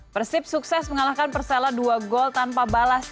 persib sukses mengalahkan persela dua gol tanpa balas